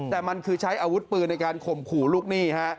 แต่มันคือใช้อาวุธปืนในการข่มขู่ลูกหนี้ฮะ